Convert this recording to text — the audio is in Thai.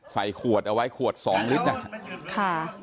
ใส่ขวดเอาไว้ขวด๒ลิตรนะครับ